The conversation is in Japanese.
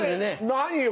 何よ！